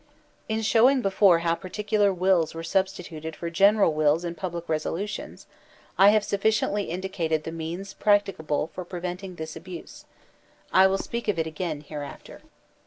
In showing before how particular wills were sub stituted for general wills in public resolutions, I have sufficiently indicated the means practicable for preventing this abuse; I will speak of it again hereafter.